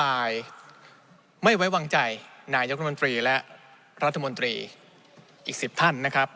จะตะกันไว้วางใจนายรัฐมนตรีและรัฐมนตรีอีกสิบท่าน